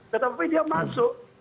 tetapi dia masuk